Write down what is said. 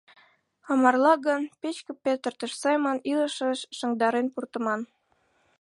А марла гын, печке петыртыш семын илышыш шыҥдарен пуртыман.